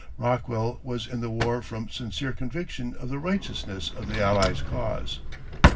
Rockwell was in the war from sincere conviction of the righteousness of the Allies' cause.